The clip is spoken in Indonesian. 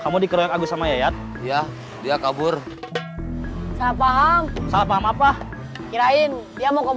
kamu dikeroyok aku sama yaya iya dia kabur salah paham salah paham apa kirain dia mau